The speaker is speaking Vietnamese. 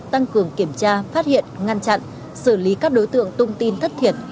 tăng cường kiểm tra phát hiện ngăn chặn xử lý các đối tượng tung tin thất thiệt